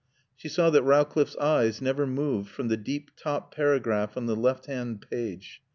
She saw that Rowcliffe's eyes never moved from the deep top paragraph on the left hand page.